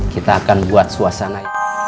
kita akan membuat suasana